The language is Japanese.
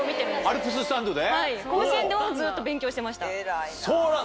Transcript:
アルプススタンドで。